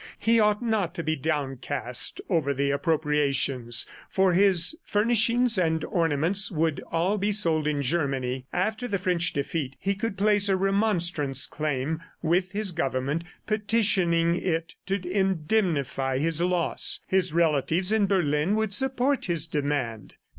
He ought not to be downcast over the appropriations, for his furnishings and ornaments would all be sold in Germany. After the French defeat, he could place a remonstrance claim with his government, petitioning it to indemnify his loss; his relatives in Berlin would support his demand.